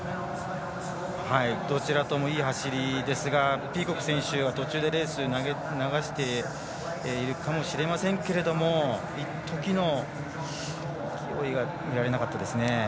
どちらともいい走りですが途中でレース流しているかもしれませんが一時の勢いが見られなかったですね。